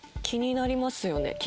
気になりますよね？